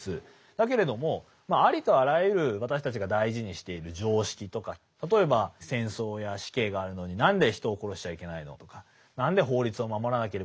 だけれどもありとあらゆる私たちが大事にしている常識とか例えば戦争や死刑があるのに何で人を殺しちゃいけないの？とか何で法律を守らなければいけないの？